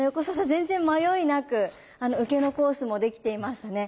全然迷いなく受けのコースもできていましたね。